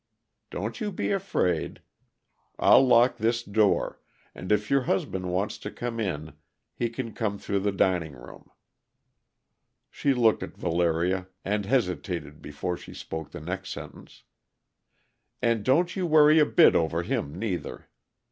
Don't you be afraid I'll lock this door, and if your husband wants to come in he can come through the dining room." She looked at Valeria and hesitated before she spoke the next sentence. "And don't you worry a bit over him, neither.